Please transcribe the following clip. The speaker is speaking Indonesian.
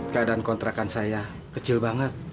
keadaan kontrakan saya kecil banget